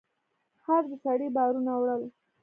خر د سړي بارونه وړل.